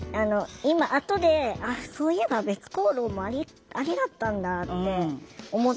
今後であっそういえば別行動もアリだったんだって思ったぐらい。